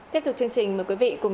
tiếp tục chương trình mời quý vị cùng